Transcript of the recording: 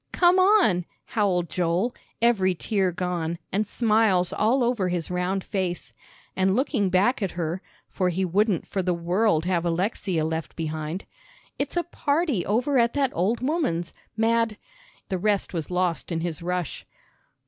"Come on," howled Joel, every tear gone, and smiles all over his round face. And looking back at her, for he wouldn't for the world have Alexia left behind. "It's a party over at that old woman's, Mad " the rest was lost in his rush.